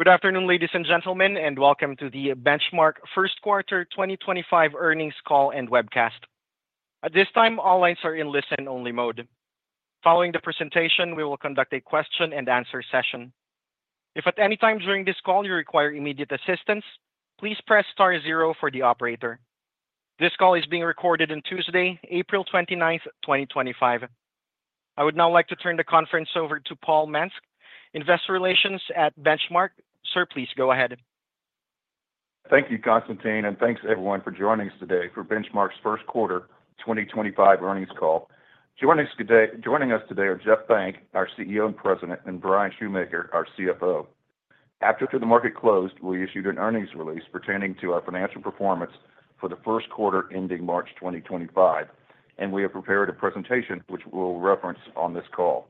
Good afternoon ladies and gentlemen and welcome to the Benchmark first quarter 2025 earnings call and webcast. At this time all lines are in listen only mode. Following the presentation, we will conduct a question and answer session. If at any time during this call you require immediate assistance, please press star zero for the operator. This call is being recorded on Tuesday, April 29, 2025. I would now like to turn the conference over to Paul Mansky, Investor Relations at Benchmark. Sir, please go ahead. Thank you, Constantine, and thanks everyone for joining us today for Benchmark's first quarter 2025 earnings call. Joining us today are Jeff Benck, our CEO and President, and Bryan Schumaker, our CFO. After the market closed, we issued an earnings release pertaining to our financial performance for the first quarter ending March 2025, and we have prepared a presentation which we will reference on this call.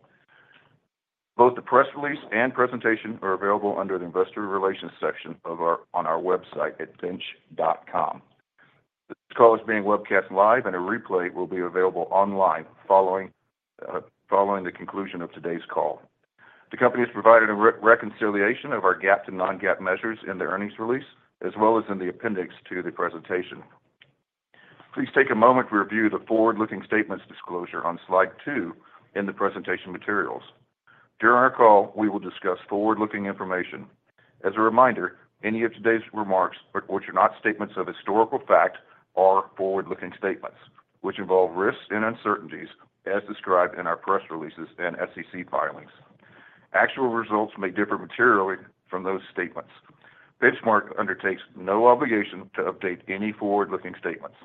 Both the press release and presentation are available under the Investor Relations section on our website at bench.com. This call is being webcast live and a replay will be available online following the conclusion of today's call. The company has provided a reconciliation of our GAAP to non-GAAP measures in the earnings release as well as in the appendix to the presentation. Please take a moment to review the forward-looking statements disclosure on slide 2 in the presentation materials. During our call we will discuss forward looking information. As a reminder, any of today's remarks which are not statements of historical fact are forward looking statements which involve risks and uncertainties as described in our press releases and SEC filings. Actual results may differ materially from those statements. Benchmark undertakes no obligation to update any forward looking statements.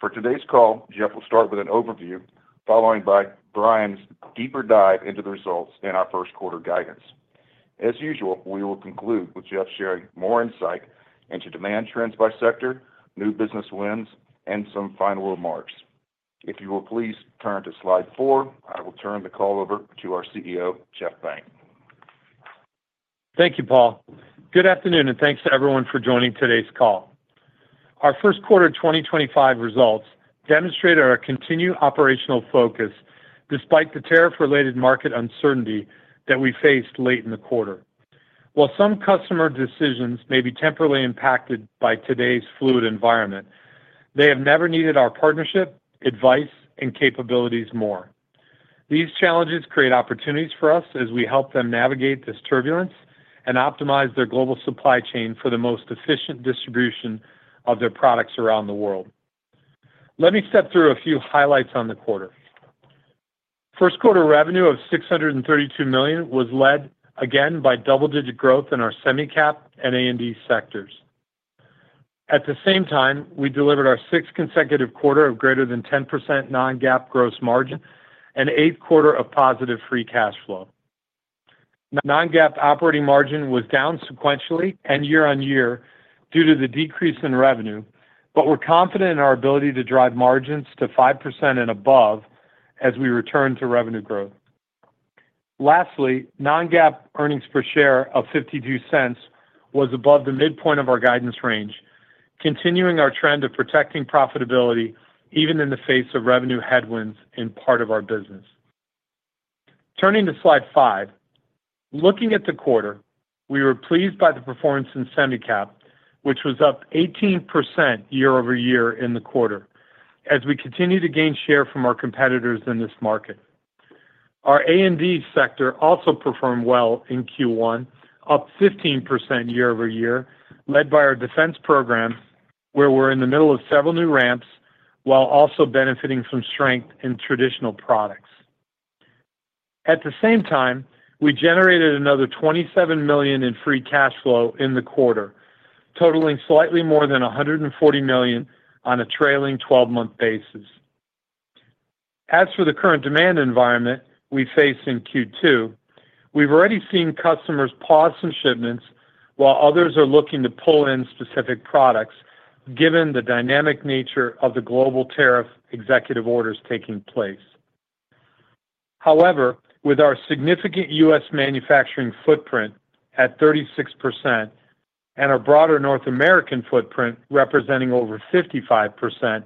For today's call, Jeff will start with an overview followed by Bryan's deeper dive into the results and our first quarter guidance. As usual, we will conclude with Jeff sharing more insight into demand trends by sector, new business wins and some final remarks. If you will please turn to slide 4. I will turn the call over to our CEO Jeff Benck. Thank you, Paul. Good afternoon and thanks to everyone for joining today's call. Our first quarter 2025 results demonstrated our continued operational focus despite the tariff-related market uncertainty that we faced late in the quarter. While some customer decisions may be temporarily impacted by today's fluid environment, they have never needed our partnership, advice, and capabilities more. These challenges create opportunities for us as we help them navigate this turbulence and optimize their global supply chain for the most efficient distribution of their products around the world. Let me step through a few highlights on the quarter. First quarter revenue of $632 million was led again by double-digit growth in our Semi-Cap and A&D sectors. At the same time, we delivered our sixth consecutive quarter of greater than 10% non-GAAP gross margin and eighth quarter of positive free cash flow. Non-GAAP operating margin was down sequentially and year-on-year due to the decrease in revenue, but we're confident in our ability to drive margins to 5% and above as we return to revenue growth. Lastly, non-GAAP earnings per share of $0.52 was above the midpoint of our guidance range, continuing our trend of protecting profitability even in the face of revenue headwinds and in part of our business. Turning to slide 5 looking at the quarter, we were pleased by the performance in Semi-Cap which was up 18% year-over-year in the quarter as we continue to gain share from our competitors in this market. Our A&D sector also performed well in Q1, up 15% year-over-year, led by our Defense program where we're in the middle of several new ramps while also benefiting from strength in traditional products. At the same time, we generated another $27 million in free cash flow in the quarter, totaling slightly more than $140 million on a trailing 12 month basis. As for the current demand environment we face in Q2, we've already seen customers pause some shipments while others are looking to pull in specific products given the dynamic nature of the global tariff executive orders taking place. However, with our significant U.S. manufacturing footprint at 36% and our broader North American footprint representing over 55%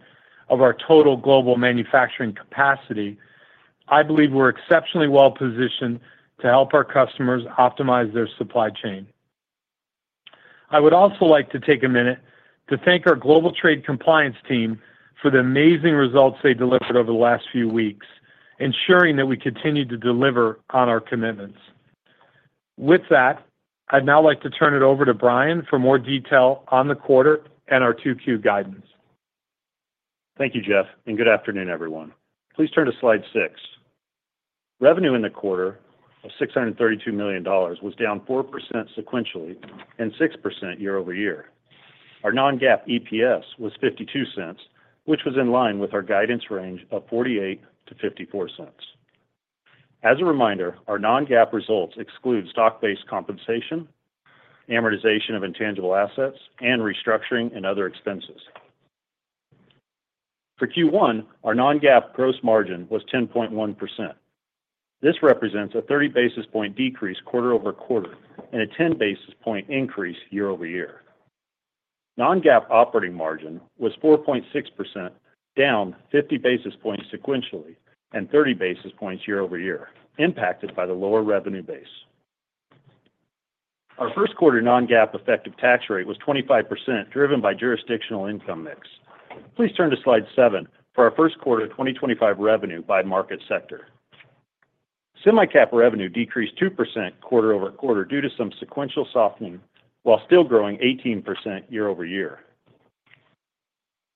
of our total global manufacturing capacity, I believe we're exceptionally well positioned to help our customers optimize their supply chain. I would also like to take a minute to thank our Global Trade compliance team for the amazing results they delivered over the last few weeks, ensuring that we continue to deliver on our commitments. With that, I'd now like to turn it over to Bryan for more detail on the quarter and our 2Q guidance. Thank you Jeff and good afternoon everyone. Please turn to slide 6. Revenue in the quarter of $632 million was down 4% sequentially and 6% year-over-year. Our non-GAAP EPS was $0.52 which was in line with our guidance range of $0.48-$0.54. As a reminder, our non-GAAP results exclude stock-based compensation, amortization of intangible assets and restructuring and other expenses. For Q1, our non-GAAP gross margin was 10.1%. This represents a 30 basis point decrease quarter-over-quarter and a 10 basis point increase year-over-year. Non-GAAP operating margin was 4.6%, down 50 basis points sequentially and 30 basis points year-over-year, impacted by the lower revenue base. Our first quarter non-GAAP effective tax rate was 25% driven by jurisdictional income mix. Please turn to slide 7 for our first quarter 2025 revenue by market sector. Semi-Cap revenue decreased 2% quarter-over-quarter due to some sequential softening while still growing 18% year-over-year.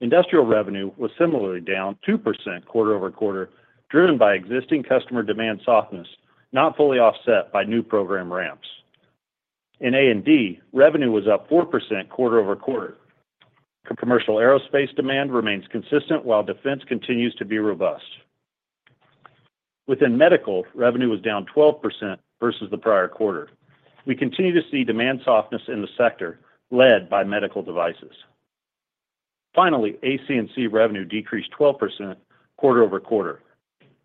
Industrial revenue was similarly down 2% quarter-over-quarter driven by existing customer demand softness not fully offset by new program ramps in A&D. Revenue was up 4% quarter-over-quarter. Commercial aerospace demand remains consistent while Defense continues to be robust. Within Medical revenue was down 12% versus the prior quarter. We continue to see demand softness in the sector led by Medical devices. Finally, ACNC revenue decreased 12% quarter-over-quarter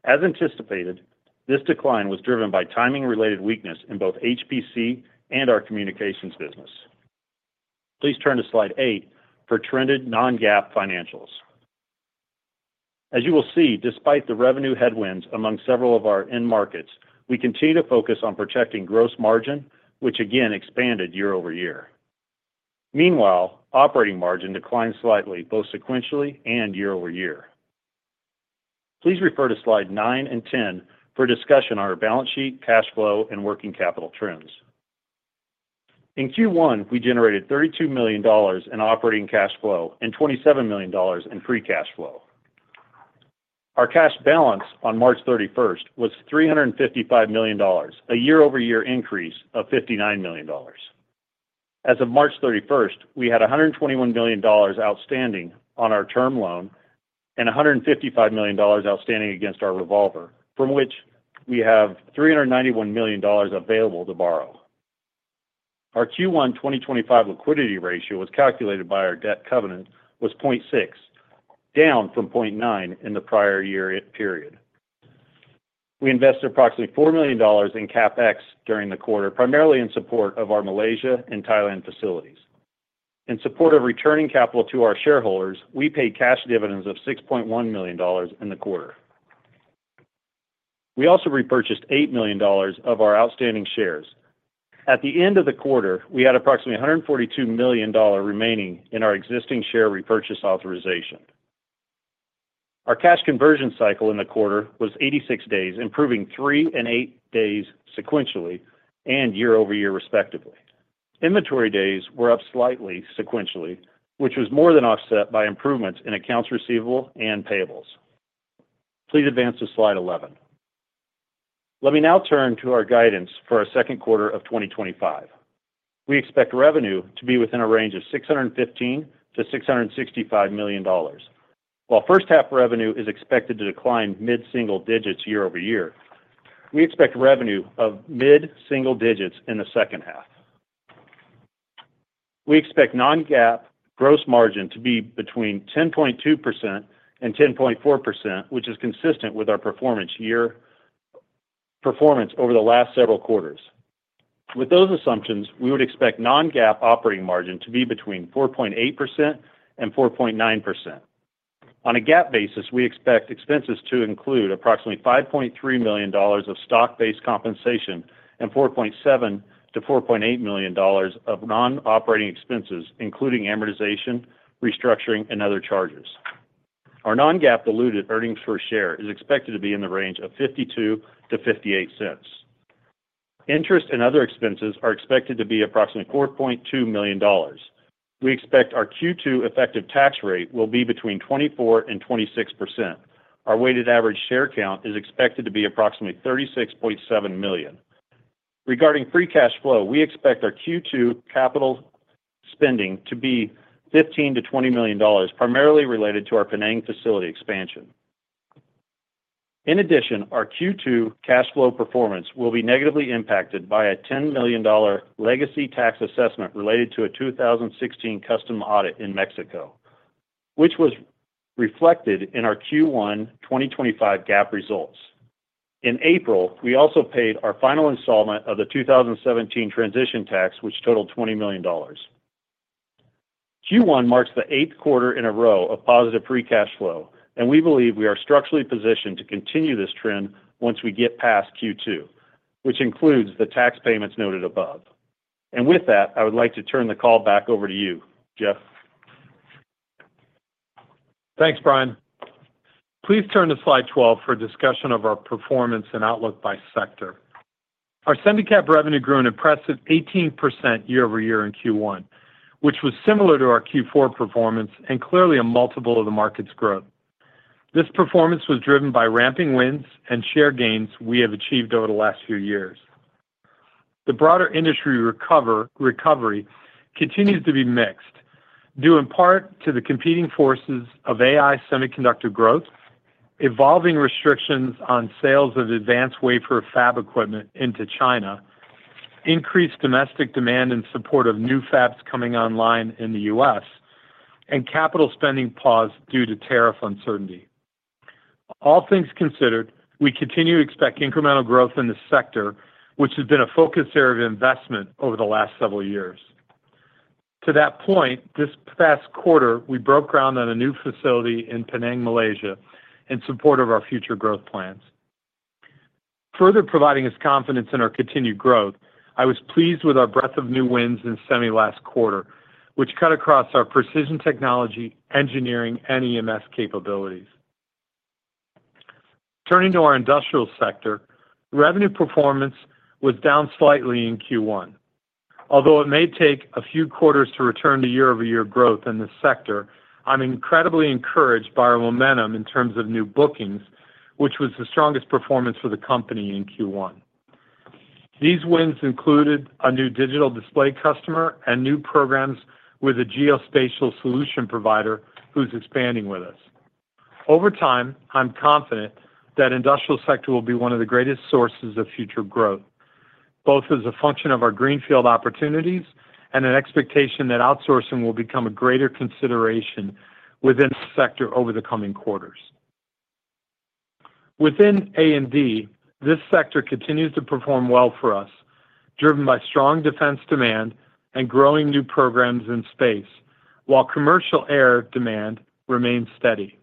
as anticipated. This decline was driven by timing related weakness in both HPC and our communications business. Please turn to slide 8 for trended non-GAAP financials. As you will see, despite the revenue headwinds among several of our end markets, we continue to focus on protecting gross margin which again expanded year-over-year. Meanwhile, operating margin declined slightly both sequentially and year-over-year. Please refer to slide 9 and 10 for discussion on our balance sheet. Cash flow and working capital trends. In Q1, we generated $32 million in operating cash flow and $27 million in free cash flow. Our cash balance on March 31st was $355 million, a year-over-year increase of $59 million. As of March 31st, we had $121 million outstanding on our term loan and $155 million outstanding against our revolver from which we have $391 million available to borrow. Our Q1 2025 liquidity ratio as calculated by our debt covenant was 0.6, down from 0.9 in the prior year period. We invested approximately $4 million in CapEx during the quarter primarily in support of our Malaysia and Thailand facilities. In support of returning capital to our shareholders, we paid cash dividends of $6.1 million in the quarter. We also repurchased $8 million of our outstanding shares. At the end of the quarter we had approximately $142 million remaining in our existing share repurchase authorization. Our cash conversion cycle in the quarter was 86 days, improving three and eight days sequentially and year-over-year respectively. Inventory days were up slightly sequentially, which was more than offset by improvements in accounts receivable and payables. Please advance to slide 11. Let me now turn to our guidance for our second quarter of 2025, we expect revenue to be within a range of $615 million-$665 million. While first half revenue is expected to decline mid single digits year-over-year, we expect revenue of mid single digits in the second half. We expect non-GAAP gross margin to be between 10.2% and 10.4%, which is consistent with our performance over the last several quarters. With those assumptions, we would expect non-GAAP operating margin to be between 4.8% and 4.9%. On a GAAP basis, we expect expenses to include approximately $5.3 million of stock-based compensation and $4.7 million-$4.8 million of non-operating expenses including amortization, restructuring and other charges. Our non-GAAP diluted earnings per share is expected to be in the range of $0.52-$0.58. Interest and other expenses are expected to be approximately $4.2 million. We expect our Q2 effective tax rate will be between 24% and 26%. Our weighted average share count is expected to be approximately 36.7 million. Regarding free cash flow, we expect our Q2 capital spending to be $15 million-$20 million, primarily related to our Penang facility expansion. In addition, our Q2 cash flow performance will be negatively impacted by a $10 million legacy tax assessment related to a 2016 customs audit in Mexico, which was reflected in our Q1 2025 GAAP results. In April, we also paid our final installment of the 2017 transition tax, which totaled $20 million. Q1 marks the eighth quarter in a row of positive free cash flow and we believe we are structurally positioned to continue this trend once we get past Q2, which includes the tax payments noted above. I would like to turn the call back over to you, Jeff. Thanks, Bryan. Please turn to Slide 12 for a discussion of our performance and outlook by sector. Our ACNC revenue grew an impressive 18% year-over-year in Q1, which was similar to our Q4 performance and clearly a multiple of the market's growth. This performance was driven by ramping wins and share gains we have achieved over. The last few years. The broader industry recovery continues to be mixed due in part to the competing forces of AI semiconductor growth, evolving restrictions on sales of advanced wafer fab equipment into China, increased domestic demand in support of new fabs coming online in the U.S., and capital spending pause due to tariff uncertainty. All things considered, we continue to expect incremental growth in the sector which has been a focus area of investment over the last several years. To that point, this past quarter we broke ground on a new facility in Penang, Malaysia in support of our future growth plans, further providing us confidence in our continued growth. I was pleased with our breadth of new wins in semi last quarter, which cut across our precision technology, engineering, and EMS capabilities. Turning to our industrial sector, revenue performance was down slightly in Q1, although it may take a few quarters to return to year-over-year growth in this sector. I'm incredibly encouraged by our momentum in terms of new bookings, which was the strongest performance for the company in Q1. These wins included a new digital display customer and new programs with a geospatial solution provider who's expanding with us over time. I'm confident that industrial sector will be one of the greatest sources of future growth, both as a function of our greenfield opportunities and an expectation that outsourcing will become a greater consideration within sector over the coming quarters. Within A&D, this sector continues to perform well for us, driven by strong Defense demand and growing new programs in space. While commercial air demand remained steady,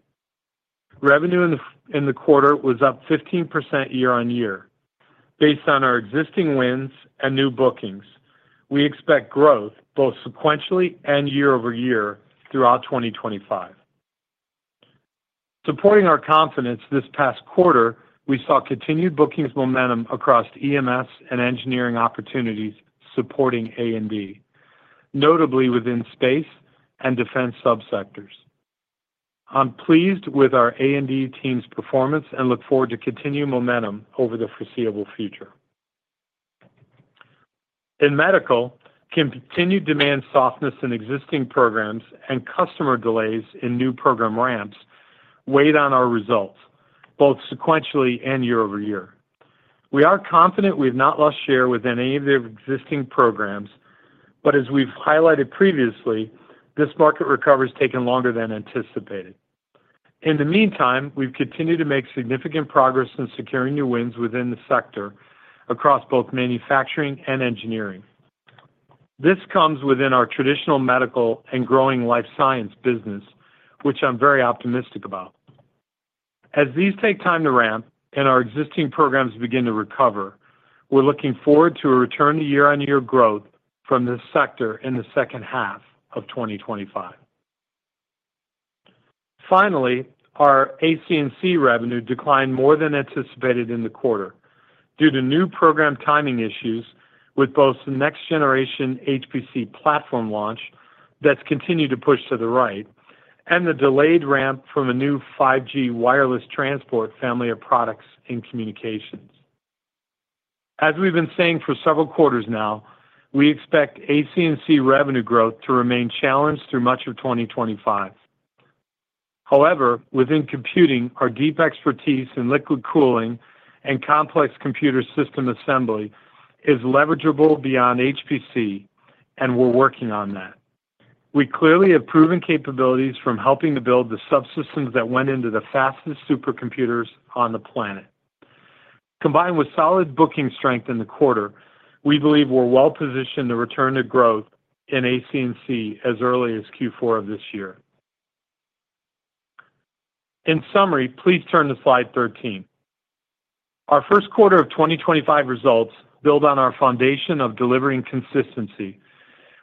revenue in the quarter was up 15% year-on-year. Based on our existing wins and new bookings, we expect growth both sequentially and year-over-year throughout 2025, supporting our confidence. This past quarter we saw continued bookings momentum across EMS and engineering opportunities supporting A&D, notably within space and Defense subsectors. I'm pleased with our A&D team's performance and look forward to continued momentum over the foreseeable future. In Medical, continued demand, softness in existing programs and customer delays in new program ramps weighed on our results both sequentially and year-over-year. We are confident we have not lost share with any of the existing programs, but as we've highlighted previously, this market recovery has taken longer than anticipated. In the meantime, we've continued to make significant progress in securing new wins within the sector across both manufacturing and engineering. This comes within our traditional Medical and growing life science business, which I'm very optimistic about. As these take time to ramp and our existing programs begin to recover, we're looking forward to a return to year-on-year growth from this sector in the second half of 2025. Finally, our ACNC revenue declined more than anticipated in the quarter due to new program timing issues with both the next generation HPC platform launch that's continued to push to the right and the delayed ramp from a new 5G wireless transport family of products and communications. As we've been saying for several quarters now, we expect ACNC revenue growth to remain challenged through much of 2025. However, within computing our deep expertise in liquid cooling and complex computer system assembly is leverageable beyond HPC and we're working on that. We clearly have proven capabilities from helping to build the subsystems that went into the fastest supercomputers on the planet. Combined with solid booking strength in the quarter, we believe we're well positioned to return to growth in ACNC as early as Q4 of this year. In summary, please turn to slide 13. Our first quarter of 2025 results build on our foundation of delivering consistency.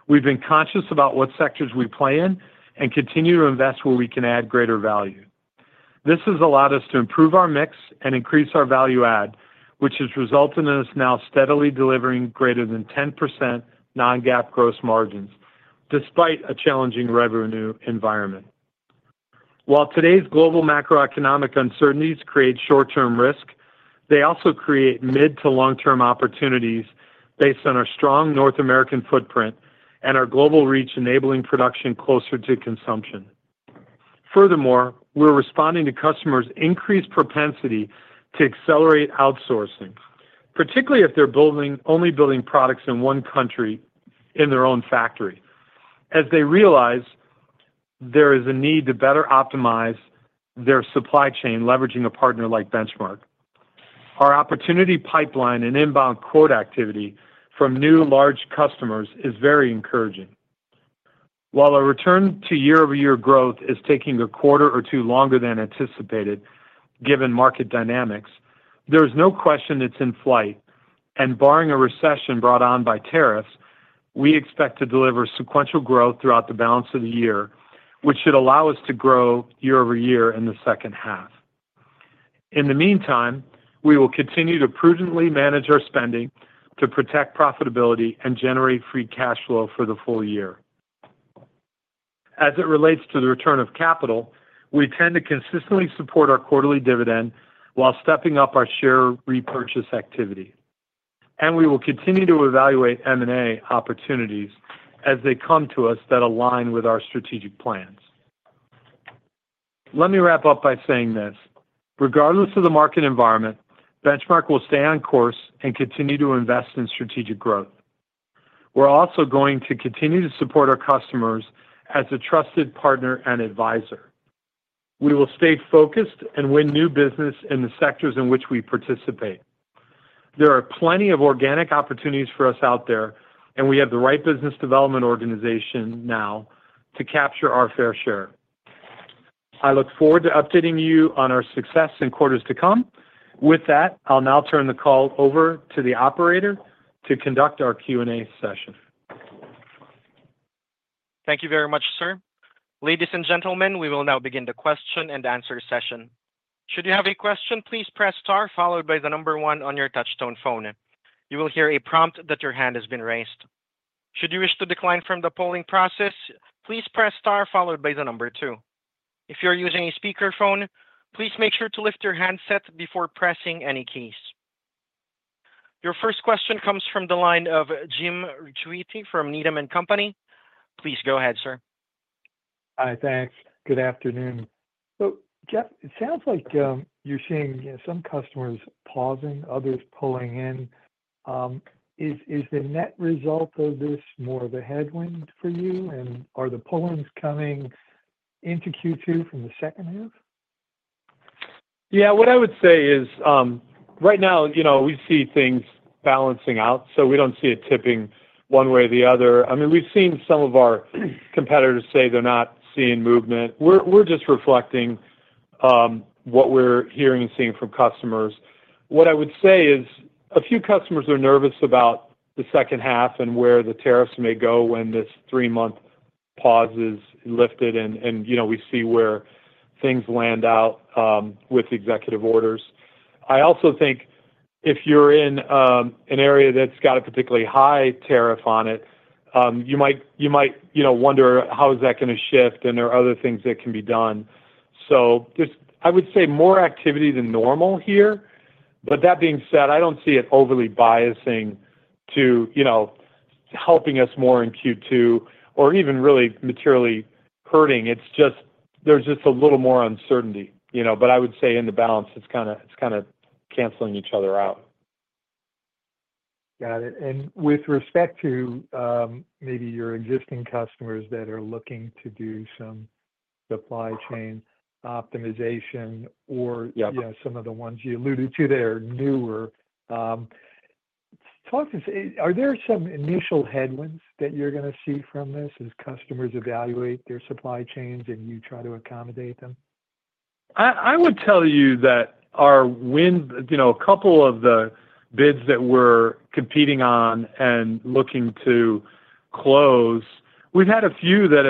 We've been conscious about what sectors we play in and continue to invest where we can add greater value. This has allowed us to improve our mix and increase our value add, which has resulted in us now steadily delivering greater than 10% non-GAAP gross margins despite a challenging revenue environment. While today's global macroeconomic uncertainties create short-term risk, they also create mid to long-term opportunities based on our strong North American footprint and our global reach, enabling production closer to consumption. Furthermore, we're responding to customers' increased propensity to accelerate outsourcing, particularly if they're only building products in one country in their own factory as they realize there is a need to better optimize their supply chain. Leveraging a partner like Benchmark, our opportunity pipeline and inbound quote activity from new large customers is very encouraging. While a return to year-over-year growth is taking a quarter or two longer than anticipated given market dynamics, there is no question it's in flight and barring a recession brought on by tariffs, we expect to deliver sequential growth throughout the balance of the year, which should allow us to grow year-over-year in the second half. In the meantime, we will continue to prudently manage our spending to protect profitability and generate free cash flow for the full year. As it relates to the return of capital, we tend to consistently support our quarterly dividend while stepping up our share repurchase activity, and we will continue to evaluate M&A opportunities as they come to us that align with our strategic plans. Let me wrap up by saying this. Regardless of the market environment, Benchmark will stay on course and continue to invest in strategic growth. We're also going to continue to support our customers as a trusted partner and advisor. We will stay focused and win new business in the sectors in which we participate. There are plenty of organic opportunities for us out there and we have the right business development organization now to capture our fair share. I look forward to updating you on our success in quarters to come. With that, I'll now turn the call over to the operator to conduct our Q&A session. Thank you very much, sir. Ladies and gentlemen, we will now begin the question and answer session. Should you have a question, please press star followed by the number one. On your touch-tone phone, you will hear a prompt that your hand has been raised. Should you wish to decline from the polling process, please press star followed by the number two. If you're using a speakerphone, please make sure to lift your handset before pressing any keys. Your first question comes from the line of Jim Ricchiuti from Needham & Company. Please go ahead, sir. Hi. Thanks. Good afternoon. Jeff, it sounds like you're seeing some customers pausing, others pulling in. Is the net result of this more of a headwind for you and are the pullings coming into Q2 from the second half? Yeah, what I would say is right now, you know, we see things balancing out so we do not see it tipping one way or the other. I mean, we have seen some of our competitors say they are not seeing movement, we are just reflecting what we are hearing and seeing from customers. What I would say is a few customers are nervous about the second half and where the tariffs may go when this three month pause is lifted. You know, we see where things land out with executive orders. I also think if you are in an area that has a particularly high tariff on it, you might, you might, you know, wonder how is that going to shift and there are other things that can be done so just, I would say more activity than normal here. That being said, I don't see it overly biasing to, you know, helping us more in Q2 or even really materially hurting. It's just, there's just a little more uncertainty, you know, but I would say in the balance it's kind of, it's kind of canceling each other out. Got it. With respect to maybe your existing customers that are looking to do some supply chain optimization or, you know, some of the ones you alluded to there. Newer. Talk to us, are there some initial headwinds that you're going to see from this as customers evaluate their supply chains and you try to accommodate them? I would tell you that our wins, you know, a couple of the bids that we're competing on and looking to close, we've had a few that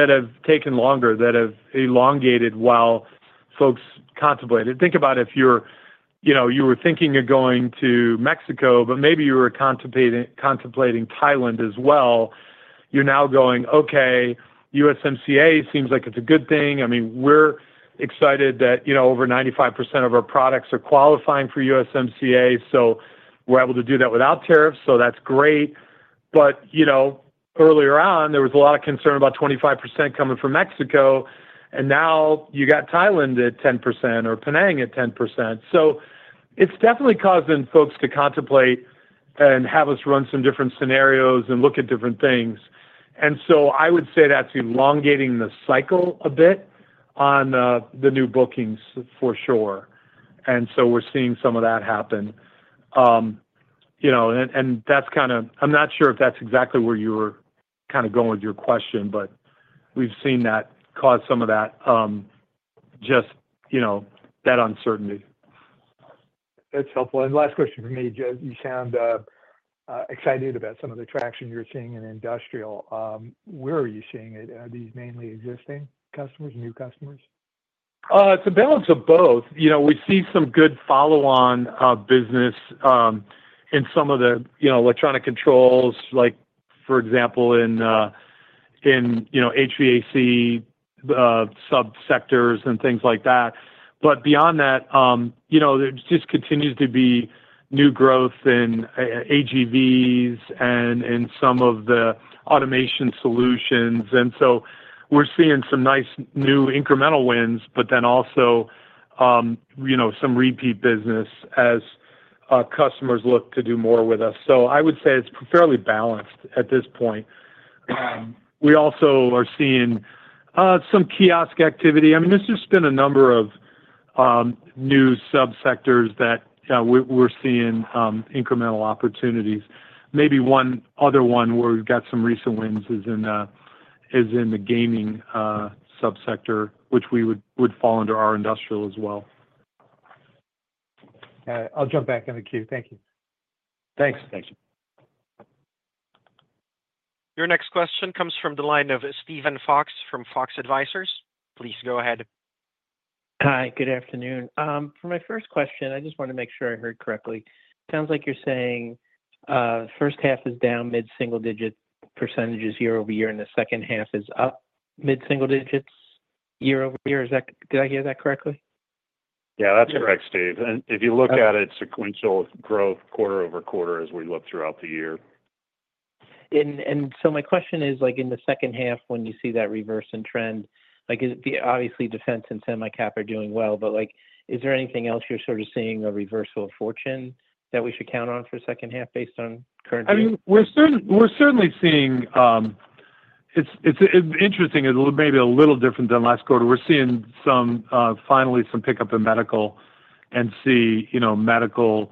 have taken longer, that have elongated while folks contemplated, think about if you're, you know, you were thinking of going to Mexico, but maybe you were contemplating, contemplating Thailand as well, you're now going, okay, USMCA, seems like it's a good thing. I mean, we're excited that, you know, over 95% of our products are qualifying for USMCA, so we're able to do that without tariffs. That's great. You know, earlier on there was a lot of concern about 25% coming from Mexico and now you got Thailand at 10% or Penang at 10%. It's definitely causing folks to contemplate and have us run some different scenarios and look at different things. I would say that's elongating the cycle a bit on the new bookings for sure. We're seeing some of that happening, you know, and that's kind of, I'm not sure if that's exactly where you were kind of going with your question, but we've seen that cause some of that just, you know, that uncertainty. That's helpful. Last question for me, you sound excited about some of the traction you're seeing in industrial. Where are you seeing it? Are these mainly existing customers, new customers, balance of both? You know, we see some good follow-on business in some of the, you know, electronic controls like for example in, in, you know, HVAC sub sectors and things like that. Beyond that, you know, there just continues to be new growth in AGVs and in some of the automation solutions. We are seeing some nice new incremental wins but then also some repeat business as customers look to do more with us. I would say it's fairly balanced at this point. We also are seeing some kiosk activity. I mean, there's just been a number of new subsectors that we're seeing incremental opportunities. Maybe one other one where we've got some recent wins is in the gaming subsector, which we would, would fall under our industrial as well. I'll jump back in the queue. Thank you. Thanks. Thank you. Your next question comes from the line of Steven Fox from Fox Advisors. Please go ahead. Hi, good afternoon. For my first question, I just want to make sure I heard correctly. Sounds like you're saying first half is down mid single digit percent year-over-year and the second half is up mid single digit year-over-year. Is that, did I hear that correctly? Yeah, that's correct, Steve. If you look at it sequential growth quarter-over-quarter as we look throughout the year. My question is like in the second half when you see that reverse in trend, obviously Defense and Semi-Cap are doing well. Like is there anything else you're sort of seeing a reversal of fortune that we should count on for second half based on current, I mean we're. We're certainly seeing, it's interesting maybe a little different than last quarter. We're seeing some, finally some pickup in Medical and see, you know, Medical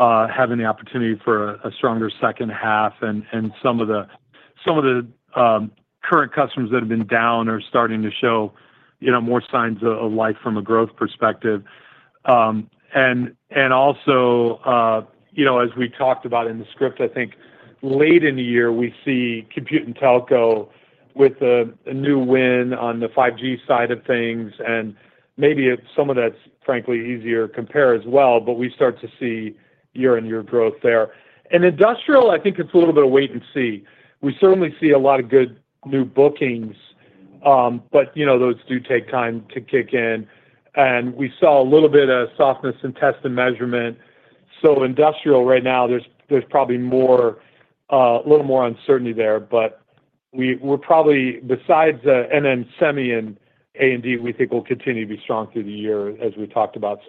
having the opportunity for a stronger second half. Some of the current customers that have been down are starting to show, you know, more signs of life from a growth perspective. Also, you know, as we talked about in the script, I think late in the year we see Compute and Telco with a new win on the 5G side of things. Maybe some of that's frankly easier compare as well. We start to see year-on-year growth there. Industrial, I think it's a little bit of wait and see. We certainly see a lot of good new bookings, but you know, those do take time to kick in. We saw a little bit of softness in test and measurement. Industrial right now, there is probably a little more uncertainty there. We are probably, besides NN Semi and A&D, thinking those will continue to be strong through the year as we talked about.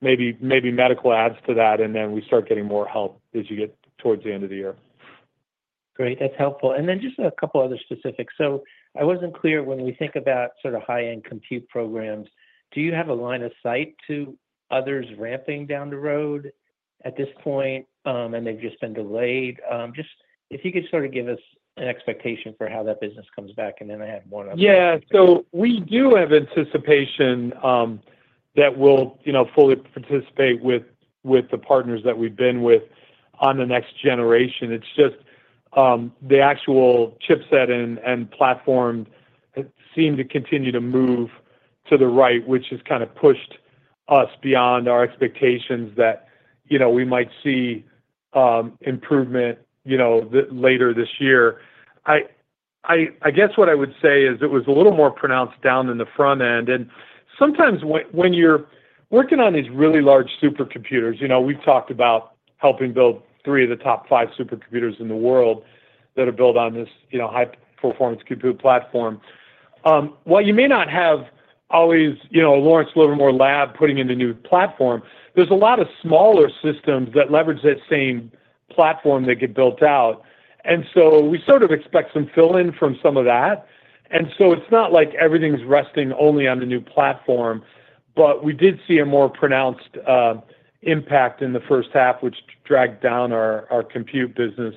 Maybe Medical adds to that, and then we start getting more help as you get towards the end of the year. Great, that's helpful. Just a couple other specifics. I wasn't clear. When we think about sort of high end compute programs, do you have a line of sight to others ramping down the road at this point and they've just been delayed? If you could sort of give us an expectation for how that business comes back. I had one other. Yeah, so we do have anticipation that we'll, you know, fully participate with the partners that we've been with on the next generation. It's just the actual chipset and platform seem to continue to move to the right, which has kind of pushed us beyond our expectations that, you know, we might see improvement, you know, later this year. I guess what I would say is it was a little more pronounced down in the front end. And sometimes when you're working on these really large supercomputers, you know, we've talked about helping build three of the top five supercomputers in the world that are built on this, you know, high performance compute platform. While you may not have always, you know, Lawrence Livermore Lab putting in a new platform, there's a lot of smaller systems that leverage that same platform that get built out. We sort of expect some fill in from some of that. It is not like everything is resting only on the new platform. We did see a more pronounced impact in the first half, which dragged down our compute business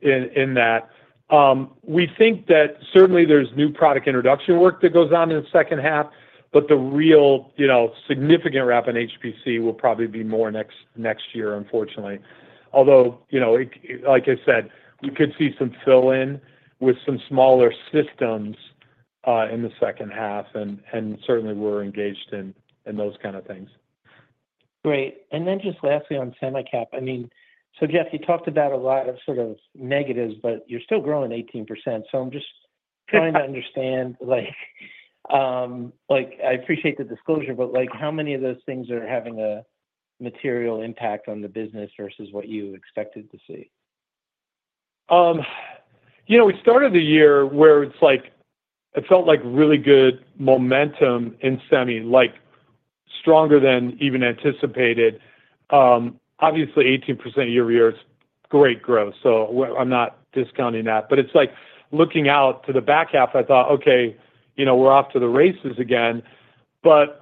in that we think that certainly there is new product introduction work that goes on in the second half. The real, you know, significant ramp in HPC will probably be more next year, unfortunately. Although, you know, like I said, we could see some fill in with some smaller systems in the second half and certainly we are engaged in those kind of things. Great. Lastly on Semi-Cap, I mean, Jeff, you talked about a lot of sort of negatives, but you're still growing 18%. I'm just trying to understand, like, I appreciate the disclosure but like how many of those things are having a material impact on the business versus what you expected to see? You know, we started the year where it's like, it felt like really good momentum in Semi, like stronger than even anticipated. Obviously 18% year-over-year. It's great growth. I'm not discounting that. It's like looking out to the back half, I thought, okay, you know, we're off to the races again. But.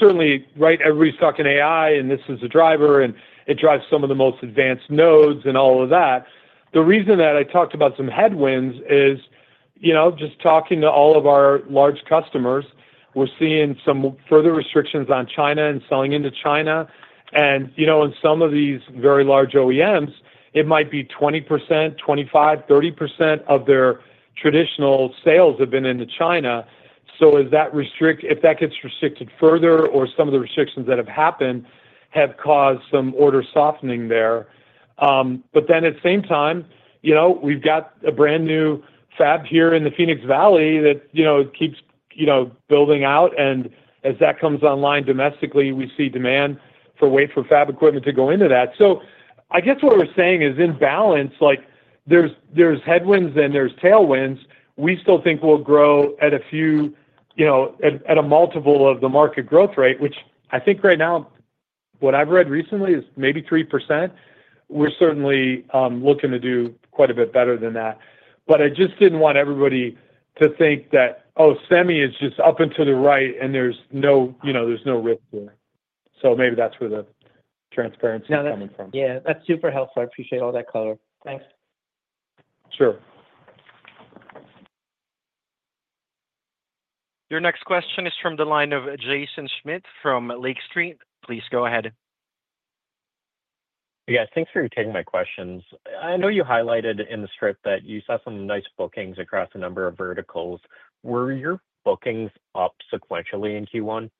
Certainly, right, everybody's talking AI and this is a driver and it drives some of the most advanced nodes and all of that. The reason that I talked about some headwinds is, you know, just talking to all of our large customers, we're seeing some further restrictions on China and selling into China. You know, in some of these very large OEMs, it might be 20%, 25%, 30% of their traditional sales have been into China. If that gets restricted further or some of the restrictions that have happened have caused some order softening there. At the same time, you know, we've got a brand new fab here in the Phoenix Valley that, you know, keeps, you know, building out. As that comes online domestically, we see demand for, wait for fab equipment to go into that. I guess what we're saying is in balance, like there's headwinds and there's tailwinds. We still think we'll grow at a few, you know, at a multiple of the market growth rate, which I think right now what I've read recently is maybe 3%. We're certainly looking to do quite a bit better than that. I just didn't want everybody to think that, oh, semi is just up and to the right and there's no, you know, there's no risk there. Maybe that's where the transparency is coming from. Yeah, that's super helpful. I appreciate all that color. Thanks. Sure. Your next question is from the line of Jaeson Schmidt from Lake Street. Please go ahead. Yeah, thanks for taking my questions. I know you highlighted in the script that you saw some nice bookings across a number of verticals. Were your bookings up sequentially in Q1?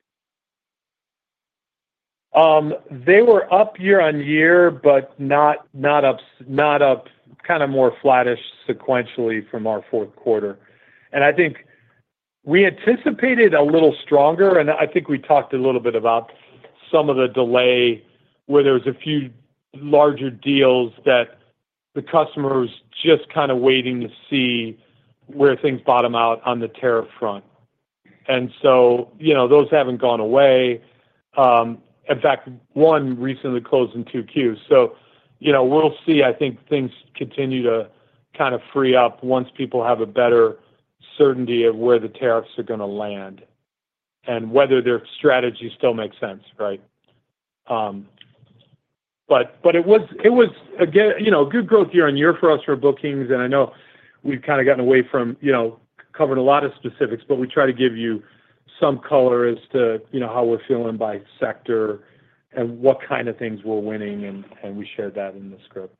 They were up year-on-year, but not up, not up. Kind of more flattish sequentially from our fourth quarter. I think we anticipated a little stronger. I think we talked a little bit about some of the delay where there was a few larger deals that the customer was just kind of waiting to see where things bottom out on the tariff front. You know, those haven't gone away. In fact, one recently closed in 2Q. You know, we'll see. I think things continue to kind of free up once people have a better certainty of where the tariffs are going to land and whether their strategy still makes sense. Right. It was, it was again, you know, good growth year-on-year for us for bookings. And I know we've kind of gotten away from, you know, covered a lot of specifics, but we try to give you some color as to, you know, how we're feeling by sector and what kind of things we're winning. And we shared that in the script.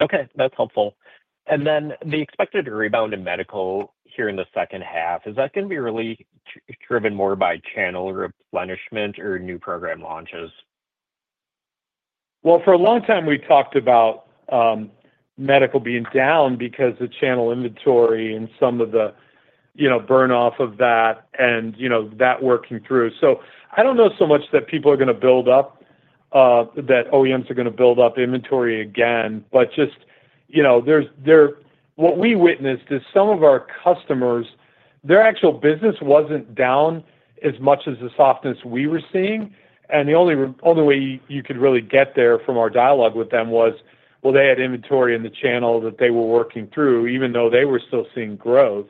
Okay, that's helpful. Is the expected rebound in Medical here in the second half going to be really driven more by channel replenishment or new program launches? For a long time we talked about Medical being down because the channel inventory and some of the, you know, burn off of that and, you know, that working through. I do not know so much that people are going to build up, that OEMs are going to build up inventory again. Just, you know, what we witnessed is some of our customers, their actual business was not down as much as the softness we were seeing. The only way you could really get there from our dialogue with them was, well, they had inventory in the channel that they were working through. Even though they were still seeing growth,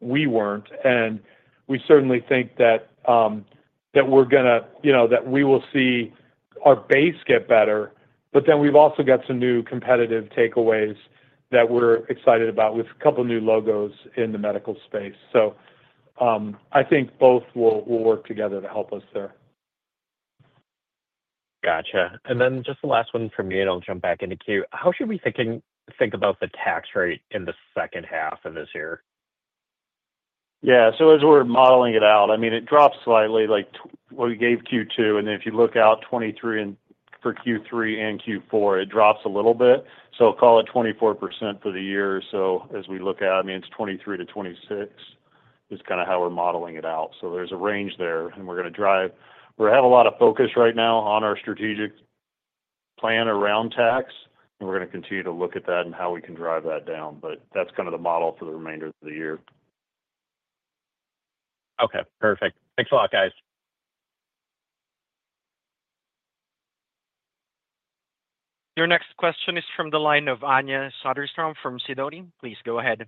we were not. We certainly think that we are gonna, you know, that we will see our base get better. We have also got some new competitive takeaways that we are excited about with a couple new logos in the Medical space. I think both will work together to help us there. Gotcha. And then just the last one from me and I'll jump back in the queue. How should we think about the tax rate in the second half of this year? Yeah. As we're modeling it out, I mean, it drops slightly like we gave Q2, and then if you look out 2023, and for Q3 and Q4, it drops a little bit. Call it 24% for the year. As we look at it, I mean, it's 23%-26% is kind of how we're modeling it out. There's a range there and we're going to drive. We have a lot of focus, right. Now on our strategic plan around tax and we're going to continue to look at that and how we can drive that down. That's kind of the model for the remainder of the year. Okay, perfect. Thanks a lot, guys. Your next question is from the line of Anja Soderstrom from Sidoti. Please go ahead.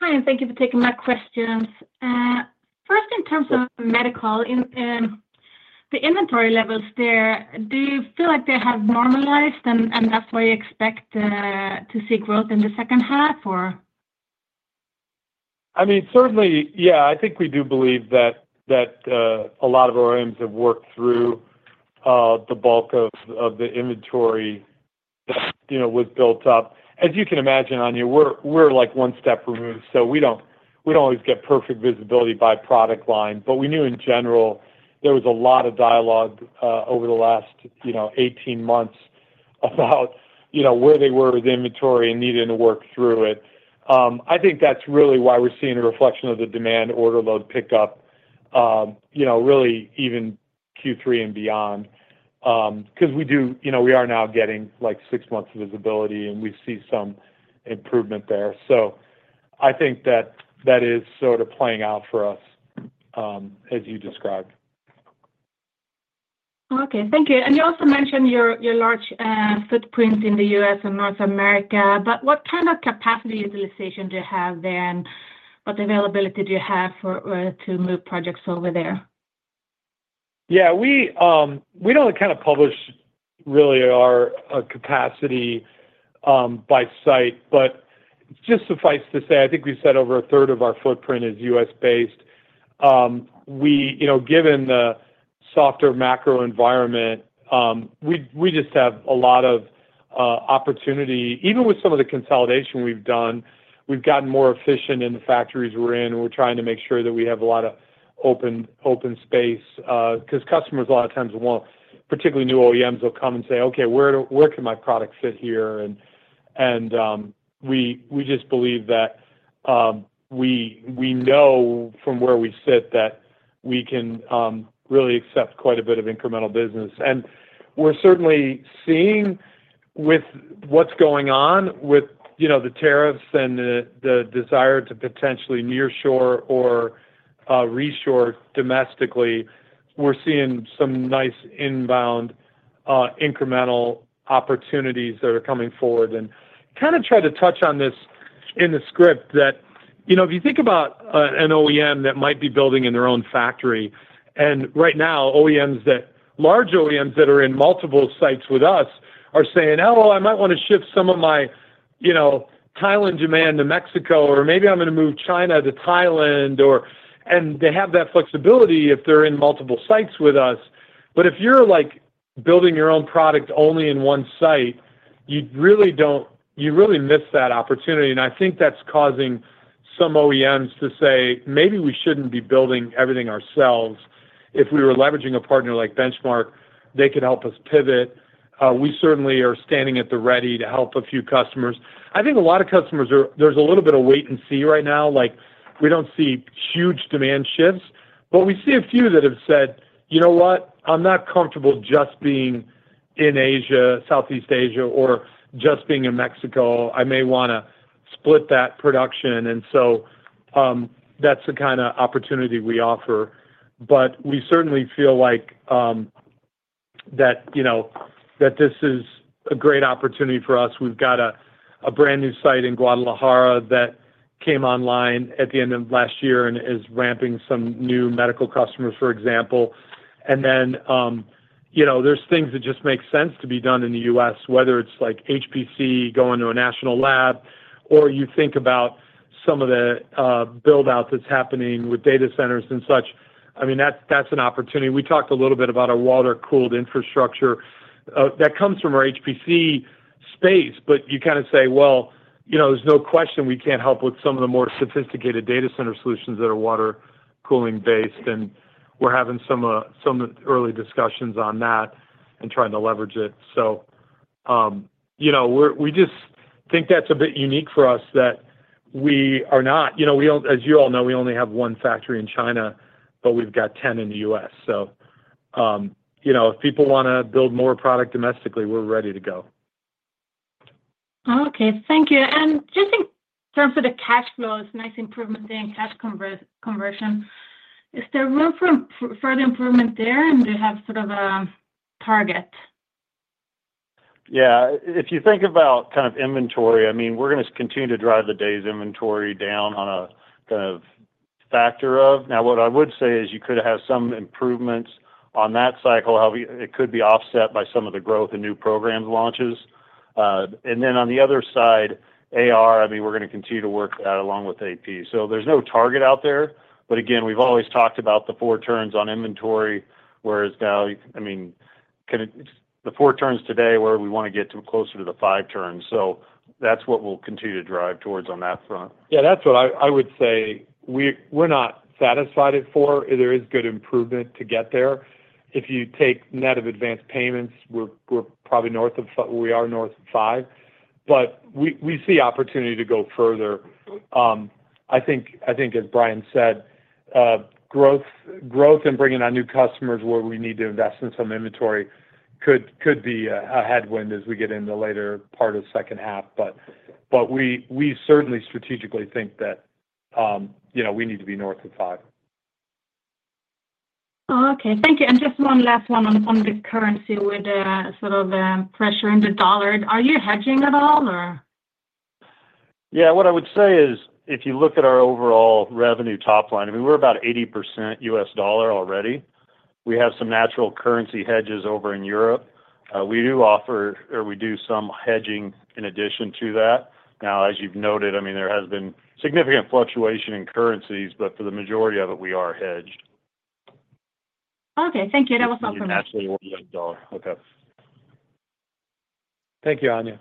Hi. Thank you for taking my questions first. In terms of Medical and the inventory levels there, do you feel like they have normalized and that's why you expect to see growth in the second half? I mean, certainly. Yeah, I think we do believe that a lot of OEMs have worked through the bulk of the inventory that was built up. As you can imagine, Anja, we're like one step removed. We do not always get perfect visibility by product line. We knew in general there was a lot of dialogue over the last 18 months about where they were with inventory and needing to work through it. I think that is really why we're seeing a reflection of the demand, order, load, pickup, really even Q3 and beyond, because we are now getting six months visibility and we see some improvement there. I think that is sort of playing out for us as you described. Okay, thank you. You also mentioned your large footprint in the U.S. and North America. What kind of capacity utilization do you have there and what availability do you have to move projects over there? Yeah, we do not kind of publish really our capacity by site. Just suffice to say, I think we said over 1/3 of our footprint is U.S. based. You know, given the softer macro environment, we just have a lot of opportunity. Even with some of the consolidation we have done, we have gotten more efficient in the factories we are in. We are trying to make sure that we have a lot of open space because customers a lot of times, particularly new OEMs, will come and say, okay, where can my product sit here? We just believe that we know from where we sit that we can really accept quite a bit of incremental business. We're certainly seeing with what's going on with the tariffs and the desire to potentially nearshore or reshore domestically, we're seeing some nice inbound incremental opportunities that are coming forward and kind of try to touch on this in the script that, you know, if you think about an OEM that might be building in their own factory and right now OEMs that large, OEMs that are in multiple sites with us are saying, oh, I might want to shift some of my, you know, Thailand demand to Mexico or maybe I'm going to move China to Thailand or. They have that flexibility if they're in multiple sites with us. If you're like building your own product only in one site, you really don't, you really miss that opportunity. I think that's causing some OEMs to say maybe we shouldn't be building everything ourselves. If we were leveraging a partner like Benchmark, they could help us pivot. We certainly are standing at the ready to help a few customers. I think a lot of customers, there's a little bit of wait and see right now. Like we don't see huge demand shifts, but we see a few that have said, you know what, I'm not comfortable just being in Asia, Southeast Asia or just being in Mexico, I may want to split that production. That is the kind of opportunity we offer. We certainly feel like that, you know, that this is a great opportunity for us. We've got a brand new site in Guadalajara that came online at the end of last year and is ramping some new Medical customers, for example. You know, there are things that just make sense to be done in the U.S. Whether it is like HPC going to a national lab or you think about some of the build out that is happening with data centers and such. I mean, that is an opportunity. We talked a little bit about our water cooled infrastructure that comes from our HPC space, but you kind of say, you know, there is no question we can help with some of the more sophisticated data center solutions that are water cooling based. We are having some early discussions on that and trying to leverage it. You know, we just think that is a bit unique for us that we are not, you know, as you all know, we only have one factory in China, but we have 10 in the U.S. You know, if people want to build more product domestically, we're ready to go. Okay, thank you. Just in terms of the cash flows, nice improvement in cash conversion. Is there room for further improvement there and do you have sort of a target? Yeah. If you think about kind of inventory, I mean, we're going to continue to drive the day's inventory down on a kind of factor of now what I would say is you could have some improvements on that cycle. It could be offset by some of the growth in new programs, launches. Then on the other side, AR, I mean, we're going to continue to work that along with AP. There is no target out there. Again, we've always talked about the four turns on inventory, whereas now, I. mean, the four turns today where we. Want to get to closer to the five turns. That is what we will continue to drive towards on that front. Yeah, that's what I would say. We're not satisfied at 4. There is good improvement to get there if you take net of advanced payments. We're probably north of. We are north of 5, but we see opportunity to go further. I think, as Bryan said, growth and bringing on new customers, where we need to invest in some inventory, could be a headwind as we get in the later part of second half. We certainly strategically think that, you know, we need to be north of 5. Okay, thank you. Just one last one on the currency with sort of pressure in the dollar. Are you hedging at all? Yeah. What I would say is if you look at our overall revenue top line, I mean, we're about 80% US dollar already. We have some natural currency hedges over in Europe. We do offer or we do some hedging in addition to that. Now, as you've noted, I mean, there has been significant fluctuation in currencies, but for the majority of it, we are hedged. Okay, thank you. That was not from. Thank you. Anja.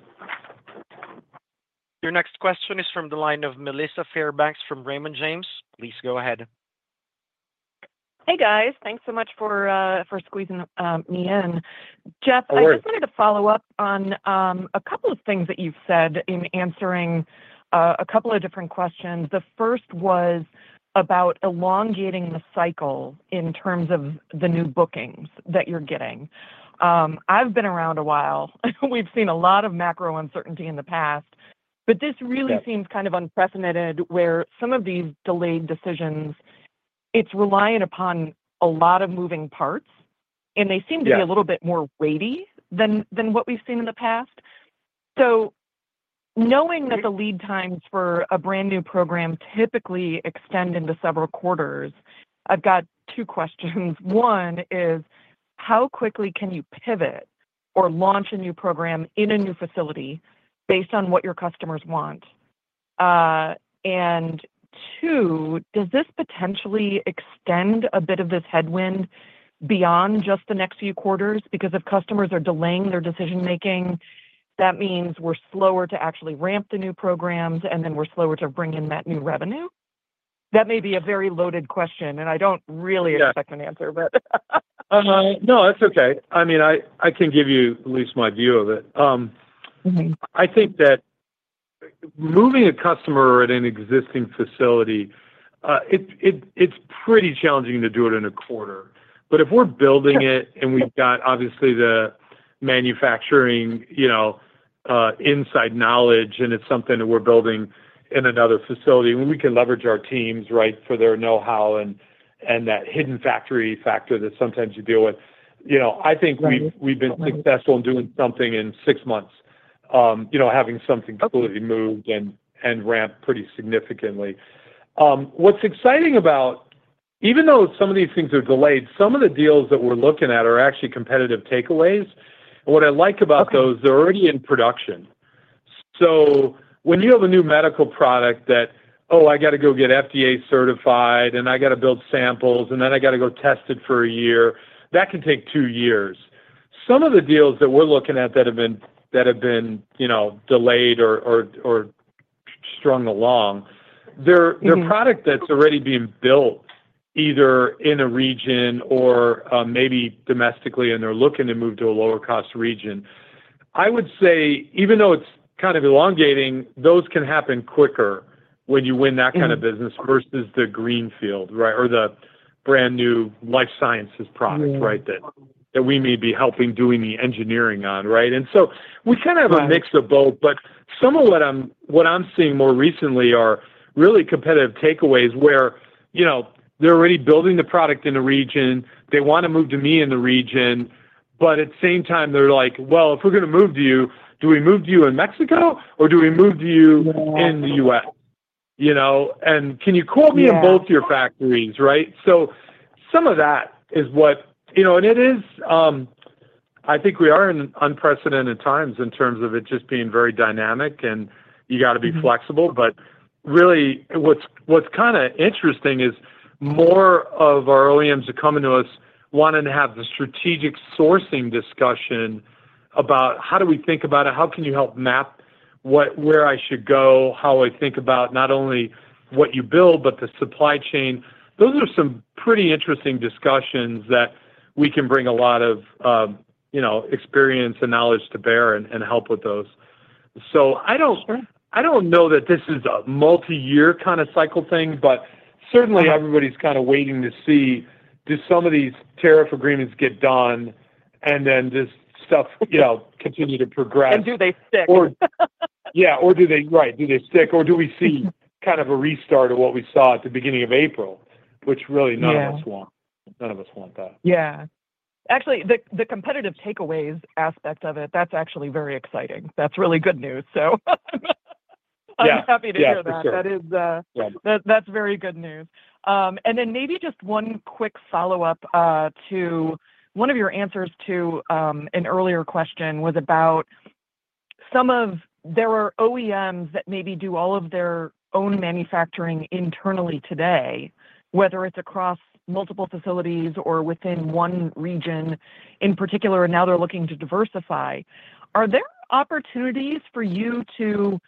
Your next question is from the line of Melissa Fairbanks from Raymond James. Please go ahead. Hey, guys. Thanks so much for squeezing me in. Jeff, I just wanted to follow up. On a couple of things that you've said in answering a couple of different questions. The first was about elongating the cycle in terms of the new bookings that you're getting. I've been around a while. We've seen a lot of macro uncertainty in the past, but this really seems kind of unprecedented where some of these delayed decisions, it's reliant upon a lot of moving parts and they seem to be a little bit more weighty than. What we've seen in the past. Knowing that the lead times for a brand new program typically extend into several quarters, I have two questions. One is how quickly can you pivot or launch a new program in a new facility based on what your customers want? Two, does this potentially extend a bit of this headwind beyond just the next few quarters? Because if customers are delaying their decision making, that means we are slower to actually ramp the new programs and then we are slower to bring in that new revenue. That may be a very loaded question and I do not really expect an answer. No, that's okay. I mean, I can give you at least my view of it. I think that moving a customer at an existing facility, it's pretty challenging to do it in a quarter. If we're building it and we've got obviously the manufacturing, you know, inside knowledge and it's something that we're building in another facility when we can leverage our teams, right, for their know-how and that hidden factory factor that sometimes you deal with, you know, I think we've been successful in doing something in six months, you know, having something completely moved and ramped pretty significantly. What's exciting about, even though some of these things are delayed, some of the deals that we're looking at are actually competitive takeaways. What I like about those, they're already in production. When you have a new Medical product that, oh, I got to go get FDA certified and I got to build samples and then I got to go test it for a year, that can take two years. Some of the deals that we're looking at that have been delayed or strung along, their product is already being built either in a region or maybe domestically, and they're looking to move to a lower cost region. I would say even though it's kind of elongating, those can happen quicker. When you win that kind of business versus the greenfield or the brand new life sciences product. Right. That we may be helping, doing the engineering on. Right. We kind of have a mix of both. Some of what I'm seeing more recently are really competitive takeaways where, you know, they're already building the product in the region, they want to move to me in the region. At the same time they're like, you know, if we're going to move to you, do we move to you in Mexico or do we move to you in the U.S., you know, and can you call me in both your factories? Right. Some of that is what you know, and it is, I think we are in unprecedented times in terms of it just being very dynamic and you got to be flexible. What's kind of interesting is more of our OEMs are coming to us wanting to have the strategic sourcing discussion about how do we think about it, how can you help map where I should go, how I think about not only what you build, but the supply chain. Those are some pretty interesting discussions that we can bring a lot of, you know, experience and knowledge to bear and help with those. I don't know that this is a multi-year kind of cycle thing, but certainly everybody's kind of waiting to see do some of these tariff agreements get done and then this stuff, you know, continue to progress. And do they stick. Yeah. Or do they. Right. Do they stick? Do we see kind of a restart of what we saw at the beginning of April, which really none of us want. None of us want that. Yeah, actually, the competitive takeaways aspect of it, that's actually very exciting. That's really good news. I'm happy to hear that. That is, that's very good news. Maybe just one quick follow up to one of your answers to an earlier question was about some of. There are OEMs that maybe do all of their own manufacturing internally today, whether it's across multiple facilities or within one region in particular. Now they're looking to diversify. Are there opportunities for you to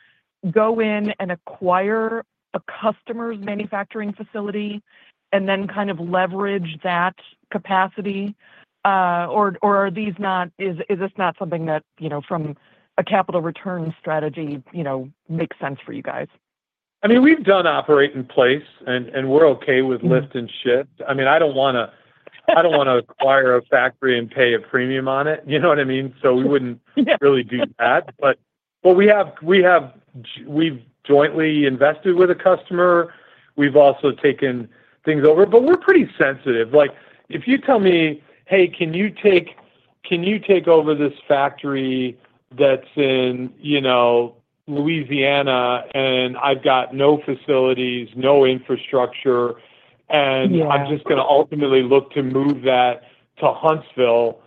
go in and acquire a customer's manufacturing facility and then kind of leverage that capacity? Or are these not. Is this not something that, you know, from a capital return strategy, you know, makes sense for you guys? I mean, we've done operate in place and we're okay with lift and shift. I mean, I don't want to, I don't want to acquire a factory and pay a premium on it. You know what I mean? We wouldn't really do that, but we have, we've jointly invested with a customer. We've also taken things over, but we're pretty sensitive. Like, if you tell me, hey, can you take over this factory that's in, you know, Louisiana, and I've got no facilities, no infrastructure, and I'm just going to ultimately look to move that to Huntsville,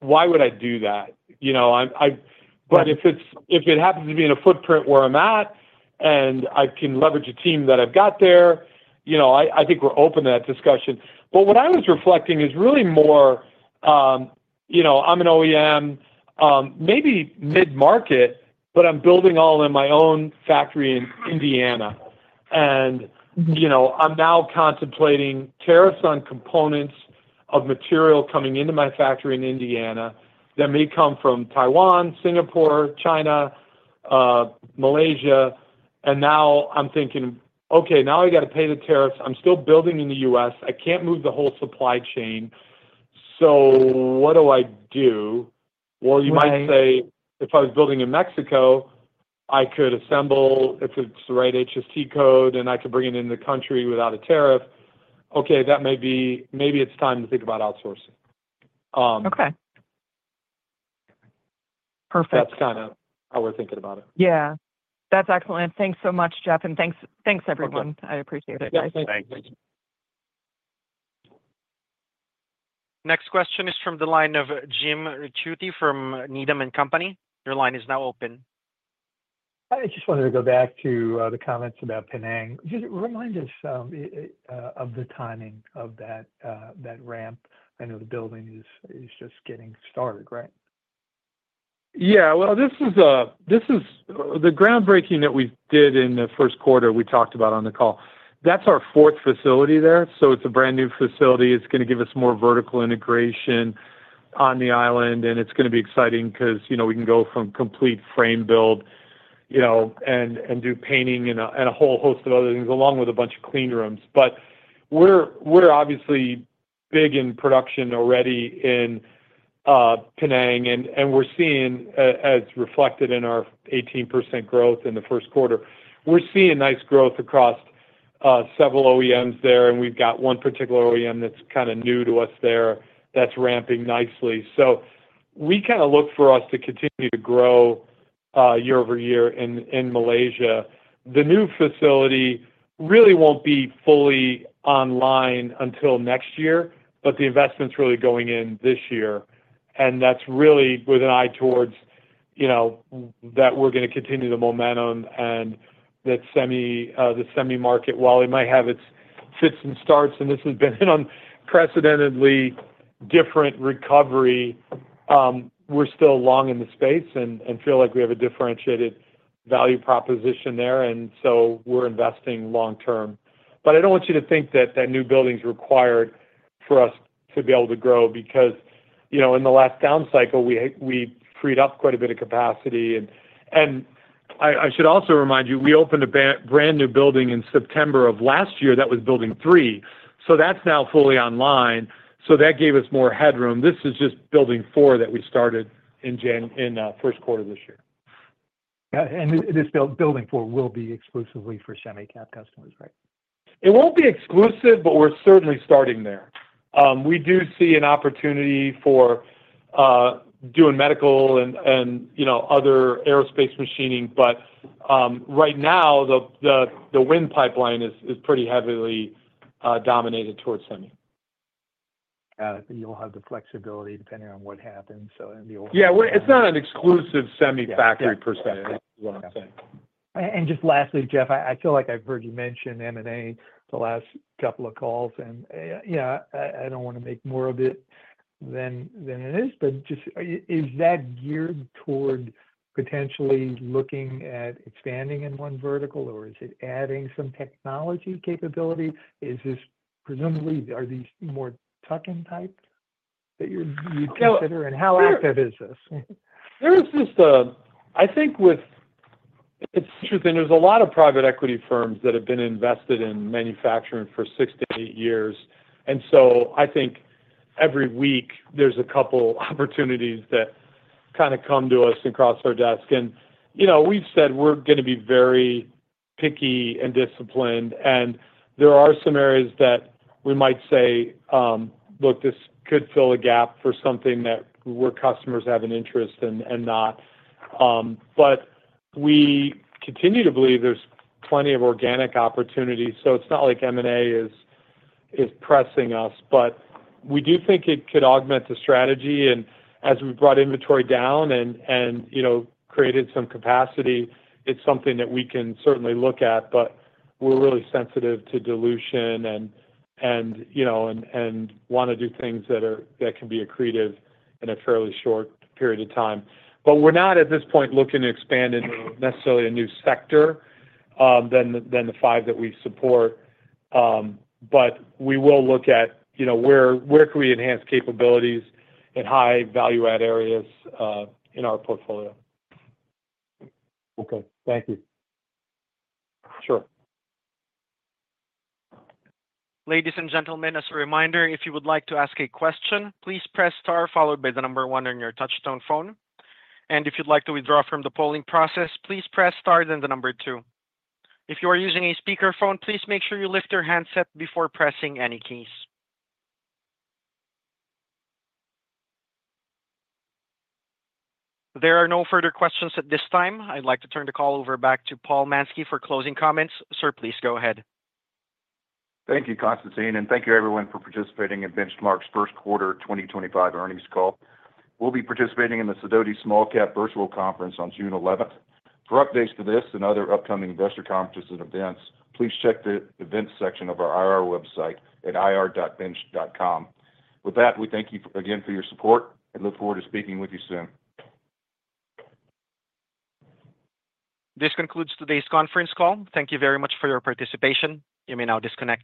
why would I do that? You know, if it happens to be in a footprint where I'm at and I can leverage a team that I've got there, you know, I think we're open to that discussion. What I was reflecting is really more, you know, I'm an OEM maybe mid market, but I'm building all in my own factory in Indiana. You know, I'm now contemplating tariffs on components of material coming into my factory in Indiana that may come from Taiwan, Singapore, China, Malaysia. Now I'm thinking, okay, now I got to pay the tariffs. I'm still building in the U.S. I can't move the whole supply chain, so what do I do? You might say, if I was building in Mexico, I could assemble, if it's the right HTS code, and I could bring it in the country without a tariff. Okay, that may be. Maybe it's time to think about outsourcing. Okay, perfect. That's kind of how we're thinking about it. Yeah, that's excellent. Thanks so much, Jeff. Thanks everyone. I appreciate it. Thanks. Next question is from the line of Jim Ricchiuti from Needham & Company. Your line is now open. I just wanted to go back to the comments about Penang, just remind us of the timing of that, that ramp. I know the building is just getting started, right? Yeah. This is the groundbreaking that we did in the first quarter we talked about on the call. That is our fourth facility there. It is a brand new facility. It is going to give us more vertical integration on the island and it is going to be exciting because, you know, we can go from complete frame build, you know, and do painting and a whole host of other things along with a bunch of clean rooms. We are obviously big in production already in Penang and we are seeing, as reflected in our 18% growth in the first quarter, nice growth across several OEMs there. We have got one particular OEM that is kind of new to us there that is ramping nicely. We look for us to continue to grow year-over-year in Malaysia. The new facility really will not be fully online until next year, but the investment is really going in this year and that is really with an eye towards, you know, that we are going to continue the momentum and that Semi, the Semi market, while it might have its fits and starts, and this has been unprecedentedly different recovery, we are still long in the space and feel like we have a differentiated value proposition there. You know, we are investing long term. I do not want you to think that new buildings are required for us to be able to grow because, you know, in the last down cycle, we freed up quite a bit of capacity. I should also remind you we opened a brand new building in September of last year that was building three, so that is now fully online. That gave us more headroom. This is just building four that we started building in January in first quarter this year. This building four will be exclusively for Semi-Cap customers. It won't be exclusive, but we're certainly starting there. We do see an opportunity for doing Medical and, you know, other aerospace machining. Right now the wind pipeline is pretty heavily dominated towards semi. Got it. You'll have the flexibility depending on what happens. Yeah, it's not an exclusive semi factory percentage. Just lastly, Jeff, I feel like I've heard you mention M&A the last couple of calls and yeah, I don't want to make more of it than it is, but just is that geared toward potentially looking at expanding in one vertical or is it adding some technology capability? Is this presumably, are these more tuck-in type that you consider and how active is this? There is just a, I think with, it's interesting there's a lot of private equity firms that have been invested in manufacturing for six to eight years. I think every week there's a couple opportunities that kind of come to us and cross our desk. You know, we've said we're going to be very picky and disciplined. There are some areas that we might say, look, this could fill a gap for something that, where customers have an interest and not. We continue to believe there's plenty of organic opportunities. It's not like M&A is pressing us, but we do think it could augment the strategy. As we brought inventory down and created some capacity, it's something that we can certainly look at. We're really sensitive to dilution and want to do things that can be accretive in a fairly short period of time. We're not at this point looking to expand into necessarily a new sector than the five that we support. We will look at, you know, where can we enhance capabilities in high value add areas in our portfolio. Okay, thank you. Sure. Ladies and gentlemen, as a reminder, if you would like to ask a question, please press star followed by the number one on your touch-tone phone. If you'd like to withdraw from the polling process, please press star then the number two. If you are using a speakerphone, please make sure you lift your handset before pressing any keys. There are no further questions at this time. I'd like to turn the call over back to Paul Mansky for closing comments. Sir, please go ahead. Thank you, Constantine. Thank you everyone for participating in Benchmark's first quarter 2025 earnings call. We will be participating in the Sidoti Small-Cap Virtual Conference on June 11. For updates to this and other upcoming investor conferences and events, please check the Events section of our IR website at ir.bench.com. With that, we thank you again for your support and look forward to speaking with you soon. This concludes today's conference call. Thank you very much for your participation. You may now disconnect.